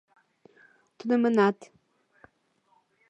Тунемынат.